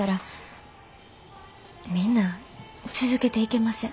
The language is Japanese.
みんな続けていけません。